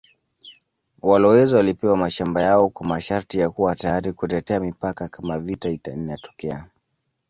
Walowezi walipewa mashamba yao kwa masharti ya kuwa tayari kutetea mipaka kama vita inatokea.